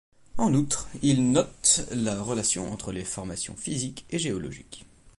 En outre, il note la relation entre les formations physiques et géologiques.